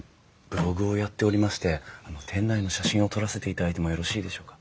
ブログをやっておりまして店内の写真を撮らせていただいてもよろしいでしょうか？